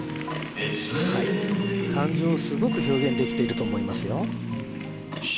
はい感情をすごく表現できていると思いますよ